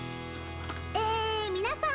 え皆さん。